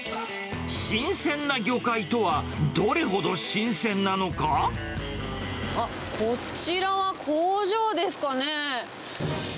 新鮮な魚介とは、どれほど新あっ、こちらは工場ですかね。